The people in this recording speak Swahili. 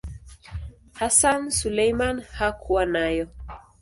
Hassan Suleiman hakuwa nayo.